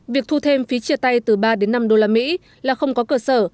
việc thu thêm phí chia tay từ ba đến năm usd là không có cơ sở